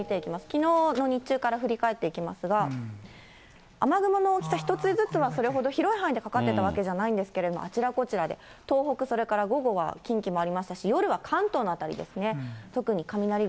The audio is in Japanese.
きのうの日中から振り返っていきますが、雨雲の大きさ、一つ一つはそれほど広い範囲でかかってたわけじゃないんですけども、あちらこちらで、東北それから午後は近畿もありましたし、夜は関東の辺りですね。